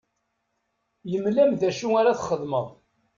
Yemla-am d acu ara txedmeḍ.